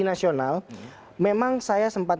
nasional memang saya sempat